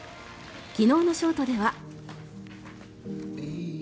昨日のショートでは。